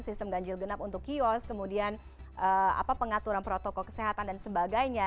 sistem ganjil genap untuk kios kemudian pengaturan protokol kesehatan dan sebagainya